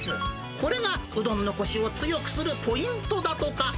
これが、うどんのこしを強くするポイントだとか。